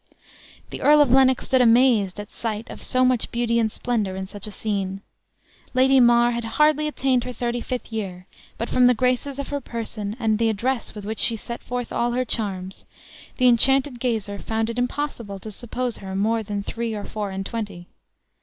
The Earl of Lennox stood amazed at sight of so much beauty and splendor in such a scene. Lady mar had hardly attained her thirty fifth year; but from the graces of her person, and the address with which she set forth all her charms, the enchanted gazer found it impossible to suppose her more than three or four and twenty.